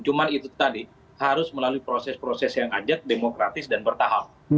cuma itu tadi harus melalui proses proses yang ajat demokratis dan bertahap